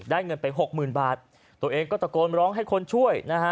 เงินไปหกหมื่นบาทตัวเองก็ตะโกนร้องให้คนช่วยนะฮะ